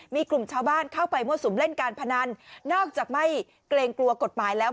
มีกลุ่มชาวบ้านเข้าไปมั่วสุมเล่นการพนันนอกจากไม่เกรงกลัวกฎหมายแล้ว